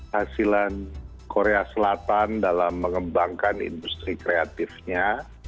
hasilan korea selatan dalam mengembangkan industri kreatifnya